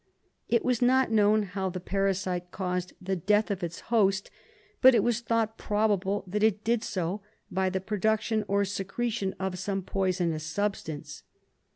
It was not known how the parasite caused the death of its host, but it was thought probable that it did so by the production or secretion of some poisonous substance.